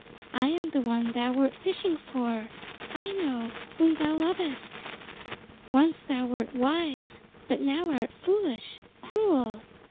I am the one thou wert fishing for Aino, whom thou lovest. Once thou wert wise, but now art foolish, cruel.